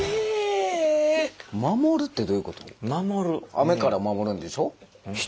雨から守るんでしょ？